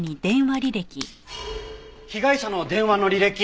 被害者の電話の履歴。